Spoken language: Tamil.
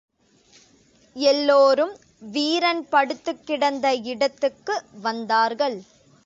எல்லோரும் வீரன் படுத்துக்கிடந்த இடத்துக்கு வந்தார்கள்.